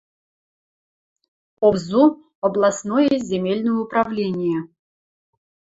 Обзу — областное земельное управление.